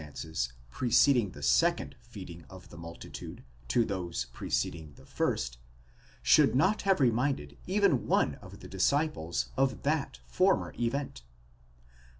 MIRACLES—FEEDING THE MULTITUDE, 509 preceding the second feeding of the multitude to those preceding the first, should not have reminded even one of the disciples of that former event.